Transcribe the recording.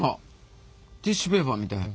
ティッシュペーパーみたい。